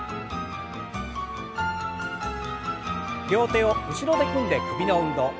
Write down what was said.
両手を後ろで組んで首の運動。